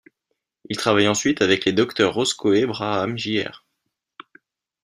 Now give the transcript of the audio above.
Il travaille ensuite, avec les docteurs Roscoe Braham Jr.